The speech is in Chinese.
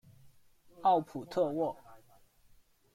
奥普特沃。